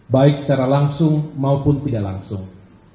baik secara langsung maupun tidak langsung